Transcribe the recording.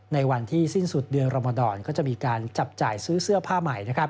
ในวันที่สิ้นสุดเดือนรมดรก็จะมีการจับจ่ายซื้อเสื้อผ้าใหม่